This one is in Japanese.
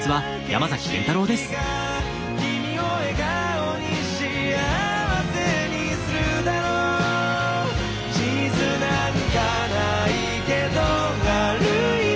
「君を笑顔に幸せにするだろう」「地図なんかないけど歩いて探して」